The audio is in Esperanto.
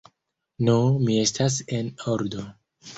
Nu, mi estas en ordo!